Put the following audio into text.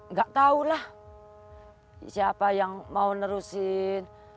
nggak tahu lah siapa yang mau nerusin